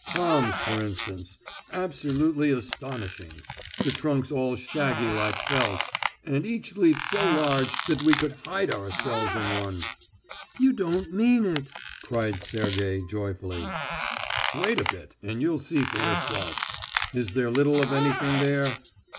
Palms, for instance. Absolutely astonishing; the trunks all shaggy like felt, and each leaf so large that we could hide ourselves in one." "You don't mean it!" cried Sergey, joyfully. "Wait a bit and you'll see for yourself. Is there little of anything there?